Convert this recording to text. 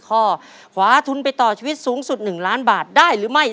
ข้อขวาทุนไปต่อชีวิตสูงสุด๑ล้านบาทได้หรือไม่